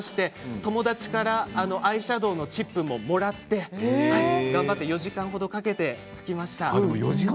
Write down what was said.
友達からアイシャドーのチップをもらって４時間ほどかけて描きました。